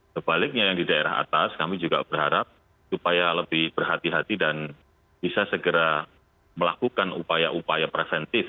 sebaliknya yang di daerah atas kami juga berharap supaya lebih berhati hati dan bisa segera melakukan upaya upaya preventif